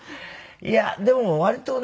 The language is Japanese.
いやでも割とね。